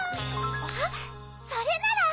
あっそれなら！